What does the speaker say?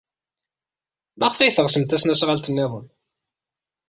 Maɣef ay teɣsemt tasnasɣalt niḍen?